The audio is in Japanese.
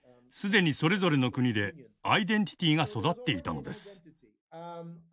すでに、それぞれの国でアイデンティティが育っていたのです。